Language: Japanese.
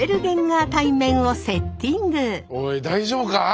おい大丈夫か？